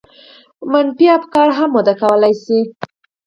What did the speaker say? منفي افکار هم وده کولای شي.